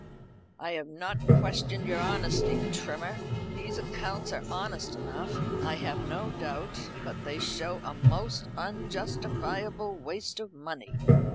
"I have not questioned your honesty, Trimmer. The accounts are honest enough, I have no doubt, but they show a most unjustifiable waste of money."